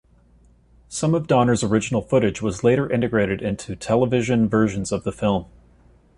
Some of Donner's original footage was later integrated into television versions of the film.